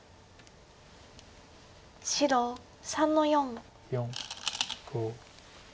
白３の四。